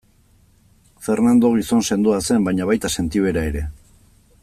Fernando gizon sendoa zen baina baita sentibera ere.